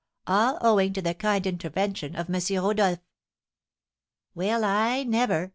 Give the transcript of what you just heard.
All owing to the kind intervention of M. Rodolph." "Well, I never!"